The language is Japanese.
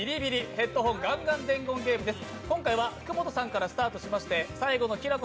「ヘッドホンガンガン伝言ゲーム」です。